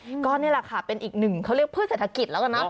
งั้นก็นี่แหละค่ะเป็นอีกหนึ่งเขาเรียกพืชเศรษฐกิจเราก็นะ